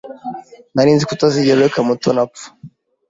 Nari nzi ko utazigera ureka Mutoni apfa.